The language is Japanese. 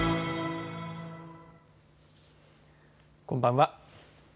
こんばんは。